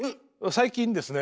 最近ですね